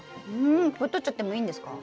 これとっちゃってもいいんですか？